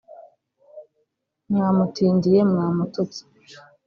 mwamutindiye mwamututse